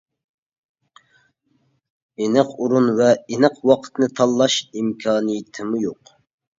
ئېنىق ئورۇن ۋە ئېنىق ۋاقىتنى تاللاش ئىمكانىيىتىمۇ يوق.